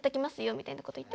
みたいなこと言って。